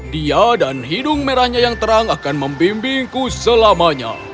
dia dan hidung merahnya yang terang akan membimbingmu